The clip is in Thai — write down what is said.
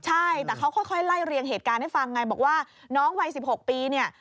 ใช่แต่เขาค่อยไล่เรียงเหตุการณ์ให้ฟังไงบอกว่าน้องวัย๑๖ปีเนี่ย